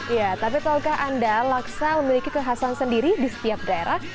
ya tapi tahukah anda laksa memiliki kekhasan sendiri di setiap daerah